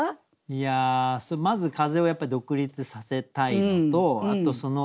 いやあまず「風」をやっぱり独立させたいのとあとその